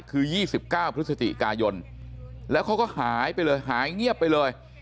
คือ๒๙พฤศจิกายนแล้วเขาก็หายไปเลยหายเงียบไปเลย